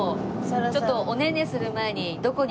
ちょっとおねんねする前に。